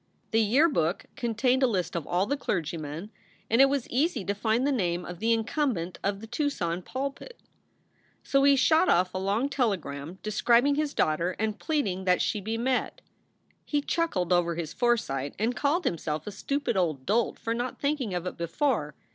The Yearbook contained a list of all the clergymen, and it was easy to find the name of the incumbent of the Tucson pulpit. So he shot off a long telegram describ ing his daughter and pleading that she be met. He chuckled over his foresight and called himself a stupid old dolt for not thinking of it before.